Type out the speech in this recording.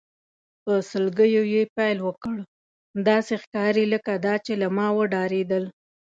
په سلګیو یې پیل وکړ، داسې ښکاري لکه دا چې له ما وډارېدل.